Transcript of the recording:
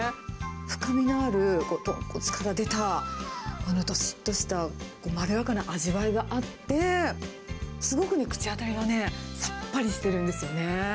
深みのある豚骨から出た、このどしっとしたまろやかな味わいがあって、すごくね、口当たりがね、さっぱりしているんですよね。